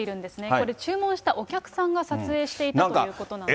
これ、注文したお客さんが撮影していたということなんですが。